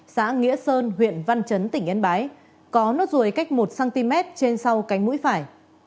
xã nghĩa sơn huyện văn chấn tỉnh yên bái có nốt ruồi cách một cm trên sau cánh mũi phải